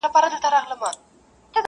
• کفن په غاړه ګرځومه قاسم یاره پوه یم,